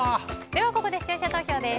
ここで視聴者投票です。